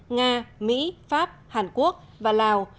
nga mỹ pháp hàn quốc và lào